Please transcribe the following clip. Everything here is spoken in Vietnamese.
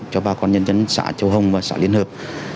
cho bà con nhân dân xã châu hồng và xã liên hợp